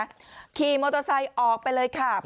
เนี่ยขี่โมโตรไซด์ออกไปเลยค่ะอืม